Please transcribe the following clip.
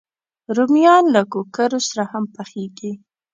رومیان له کوکرو سره هم پخېږي